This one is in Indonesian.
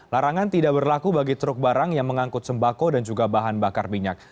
larangan tidak berlaku bagi truk barang yang mengangkut sembako dan juga bahan bakar minyak